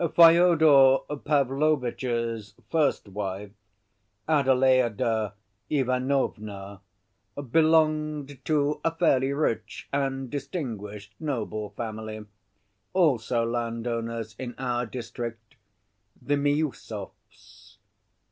Fyodor Pavlovitch's first wife, Adelaïda Ivanovna, belonged to a fairly rich and distinguished noble family, also landowners in our district, the Miüsovs.